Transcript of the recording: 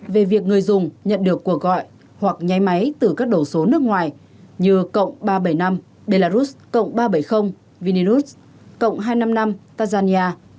về việc người dùng nhận được cuộc gọi hoặc nháy máy từ các đầu số nước ngoài như cộng ba trăm bảy mươi năm belarus cộng ba trăm bảy mươi vinirus cộng hai trăm năm mươi năm tanzania